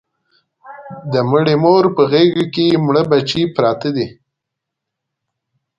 د مړې مور په غېږ کې مړه بچي پراته دي